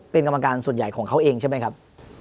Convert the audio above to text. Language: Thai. เป็นกรรมการส่วนใหญ่ของเขาเองใช่ไหมครับ